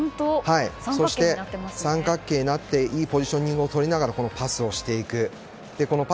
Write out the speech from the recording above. そして三角形になっていいポジショニングを取りながらパスをしていく。